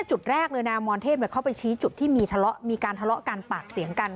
จุดแรกเลยนางมรเทพเข้าไปชี้จุดที่มีทะเลาะมีการทะเลาะกันปากเสียงกัน